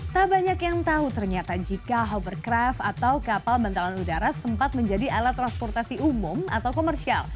tak banyak yang tahu ternyata jika hovercraft atau kapal bantalan udara sempat menjadi alat transportasi umum atau komersial